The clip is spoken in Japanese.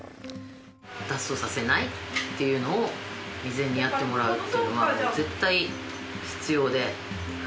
脱走させないっていうのを未然にやってもらうっていうのはもう絶対必要で。